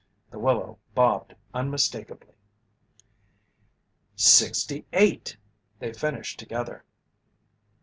The willow bobbed unmistakably. "Sixty eight!" They finished together.